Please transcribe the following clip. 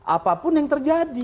apapun yang terjadi